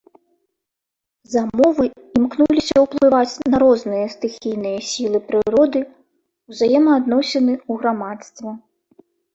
Замовы імкнуліся ўплываць на розныя стыхійныя сілы прыроды, узаемаадносіны ў грамадстве.